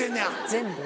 全部？